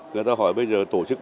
người ta hỏi bây giờ tổ chức bộ